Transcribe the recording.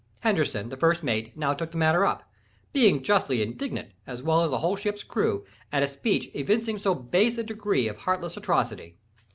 Henderson, the first mate, now took the matter up, being justly indignant, as well as the whole ship's crew, at a speech evincing so base a degree of heartless atrocity.